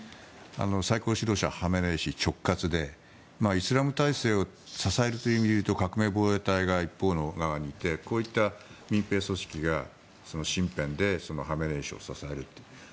最高指導者ハメネイ師直轄でイスラム体制を支えるという意味で言うと革命防衛隊が一方の側にいてこういった民兵組織が身辺でハメネイ師を支えると。